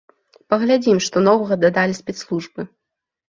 Паглядзім, што новага дадалі спецслужбы.